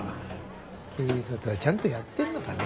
警察はちゃんとやってんのかね。